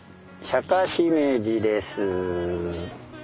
シャカシメジです。